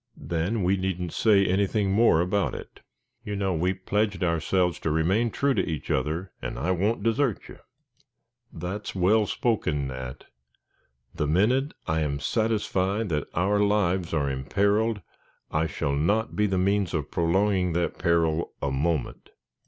"Then we needn't say anything more about it; you know we pledged ourselves to remain true to each other, and I won't desert you." "That's well spoken, Nat. The minute I am satisfied that our lives are imperiled, I shall not be the means of prolonging that peril a moment.